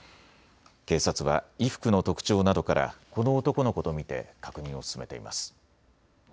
警察は衣服の特徴などからこの男の子と見て確認を進めています。